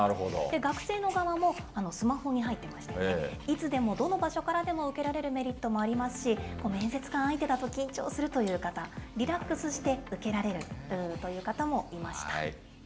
学生の側も、スマホに入ってましたよね、いつでもどの場所からでも受けられるメリットもありますし、面接官相手だと緊張するという方、リラックスして受けられるという方もいました。